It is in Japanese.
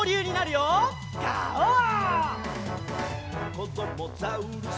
「こどもザウルス